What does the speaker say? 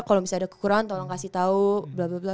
kalau misalnya ada kekurangan tolong kasih tahu bla bla